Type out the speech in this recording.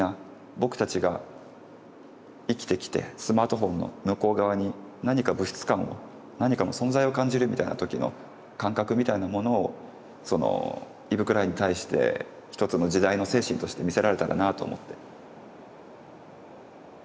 僕たちが生きてきてスマートフォンの向こう側に何か物質感を何かの存在を感じるみたいな時の感覚みたいなものをイヴ・クラインに対して一つの時代の精神として見せられたらなぁと思って。